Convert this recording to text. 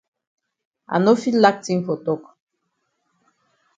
I no fit lack tin for tok.